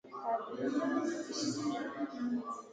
ukilinganisha na Tunu yeye alikua tayari anamafanikio tele